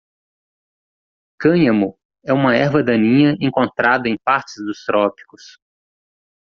Cânhamo é uma erva daninha encontrada em partes dos trópicos.